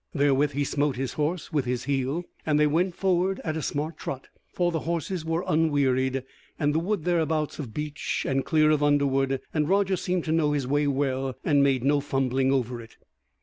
Therewith he smote his horse with his heel and they went forward at a smart trot, for the horses were unwearied, and the wood thereabouts of beech and clear of underwood; and Roger seemed to know his way well, and made no fumbling over it.